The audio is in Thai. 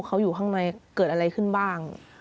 เขาอยู่ข้างในเกิดอะไรขึ้นบ้าง